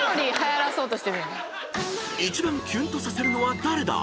［一番キュンとさせるのは誰だ⁉］